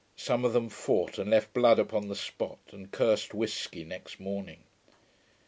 Some of them fought, and left blood upon the spot, and cursed whisky next morning.